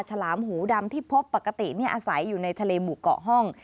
ฉลามหูดำที่พบปกติอาศัยอยู่ในทะเลหมู่เกาะห้อง